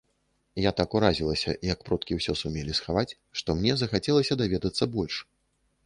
Я так уразілася, як продкі ўсё сумелі схаваць, што мне захацелася даведацца больш.